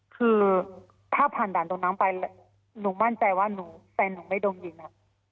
คือถ้าผ่านด่านตรงนั้นไปหนูมั่นใจว่าแฟนหนูไม่โดนยิงอ่ะ